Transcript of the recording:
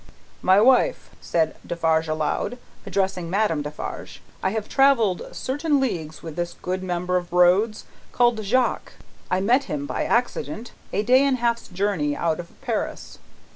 "My wife," said Defarge aloud, addressing Madame Defarge: "I have travelled certain leagues with this good mender of roads, called Jacques. I met him by accident a day and half's journey out of Paris.